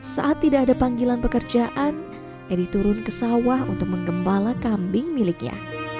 saat tidak ada panggilan pekerjaan edi turun ke sawah untuk menggembala kambing miliknya